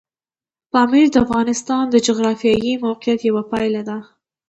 پامیر د افغانستان د جغرافیایي موقیعت یوه پایله ده.